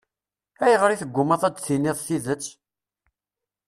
Ayɣer i teggummaḍ ad d-tiniḍ tidet?